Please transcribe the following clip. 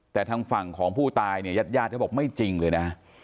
แต่ทางฝั่งของผู้ตายเนี่ยญาติญาติเขาบอกไม่จริงเลยนะ